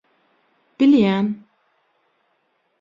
- Bilýän.